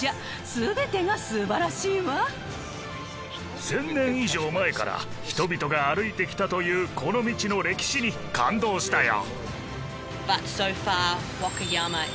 １０００年以上前から人々が歩いてきたというこの道の歴史に感動したよ。